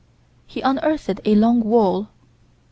He unearthed a long wall.